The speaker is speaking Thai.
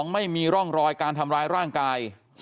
ไม่มีร่องรอยการทำร้ายร่างกาย